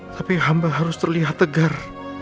tapi hamba harus terlihat tegar